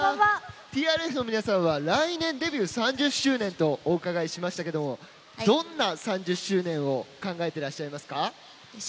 ＴＲＦの皆さんは来年、デビュー３０周年とお伺いしましたけどもどんな３０周年を考えていらっしゃいますか？